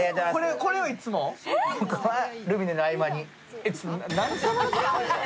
ルミネの合間に。